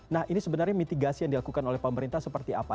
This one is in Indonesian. nah ini sebenarnya mitigasi yang dilakukan oleh pemerintah seperti apa